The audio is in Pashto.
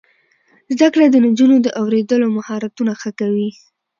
زده کړه د نجونو د اوریدلو مهارتونه ښه کوي.